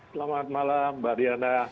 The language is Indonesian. selamat malam mbak riana